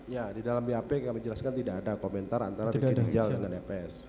ya di dalam bap kami jelaskan tidak ada komentar antara ricky rijal dengan fs